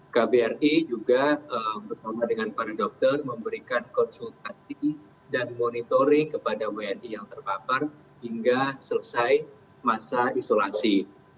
kbri juga bersama dengan para dokter memberikan konsultasi dan monitoring kepada wni yang terpapar hingga selesai masa isolasi